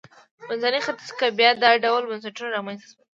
منځني ختیځ کې بیا دا ډول بنسټونه رامنځته شول.